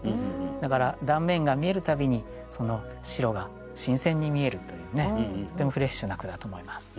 だから断面が見える度に白が新鮮に見えるというねとてもフレッシュな句だと思います。